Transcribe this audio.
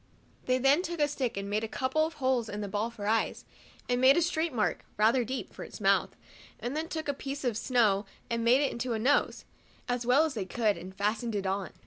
They then took a stick and made a couple of holes in the ball for eyes, and made a straight mark, rather deep, for his mouth, and then took a piece of snow and made it into a nose, as well as they could, and fastened it on.